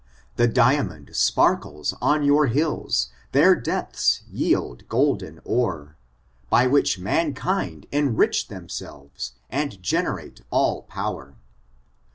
The diamond rnarkles on yoor hilts, their depths yield golden ore, By which mankinu •nrich themselves, and generate all power.